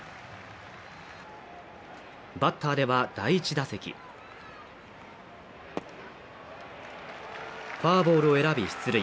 バッターでは第１打席フォアボールを選び出塁。